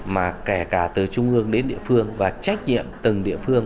mà kể cả từ trung ương đến địa phương và trách nhiệm từng địa phương